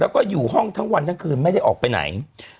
แล้วก็อยู่ห้องทั้งวันทั้งคืนไม่ได้ออกไปไหน